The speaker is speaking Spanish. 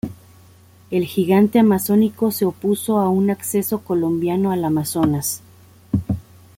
El gigante amazónico se opuso a un acceso colombiano al Amazonas.